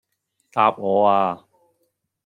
答我呀